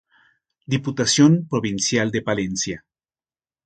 Diputación Provincial de Palencia.